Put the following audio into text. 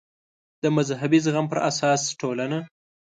د مذهبي زغم پر اساس ټولنه